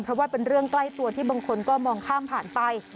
เพราะว่าเป็นเรื่องใกล้ตัวที่บางคนก็มองข้ามผ่านไป